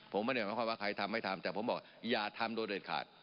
ผมไม่เห็นว่าใครทำไม่ทำแต่ผมบอกอย่าทำโดยเด็ดขาด